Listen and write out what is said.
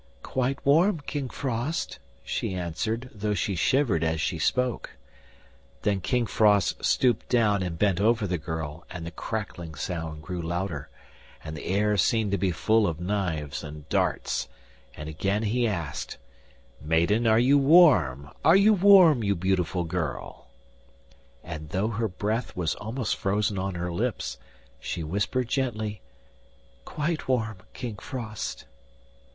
'Quite warm, King Frost,' she answered, though she shivered as she spoke. Then King Frost stooped down, and bent over the girl, and the crackling sound grew louder, and the air seemed to be full of knives and darts; and again he asked: 'Maiden, are you warm? Are you warm, you beautiful girl?' And though her breath was almost frozen on her lips, she whispered gently, 'Quite warm, King Frost.